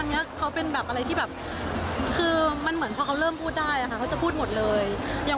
เราก็มีเวลาที่จะดูอีกคนนึงเต็มที่ขึ้น